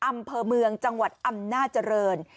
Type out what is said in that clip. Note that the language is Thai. อำเภอเมืองจังหวัดอำนาจริง